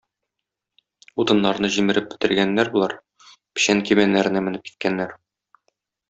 Утыннарны җимереп бетергәннәр болар, печән кибәннәренә менеп киткәннәр.